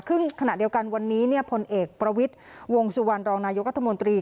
ซึ่งขณะเดียวกันวันนี้พลเอกประวิทย์วงสุวรรณรองนายกรัฐมนตรี